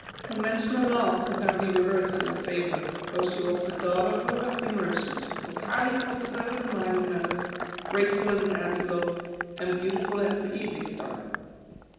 Conventional laws could not be reversed in her favour, though she was the daughter of a weal thy merchant, was highly cultivated in mind and man ners, graceful as an antelope, and beautiful as the eve ning star.